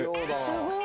すごい。